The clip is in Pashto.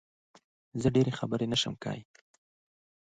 زه ډېری خبرې نه شم کولی